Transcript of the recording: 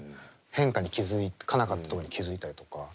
変化に気付かなかったとこに気付いたりとか。